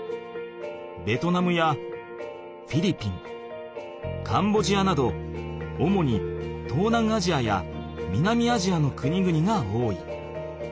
ベトナムやフィリピンカンボジアなど主に東南アジアや南アジアの国々が多い。